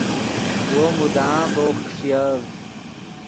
وو مدام ڤؤ خݰیڤد